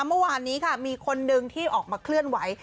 เมื่อวานนี้ค่ะมีคนนึงที่ออกมาเคลื่อนไหว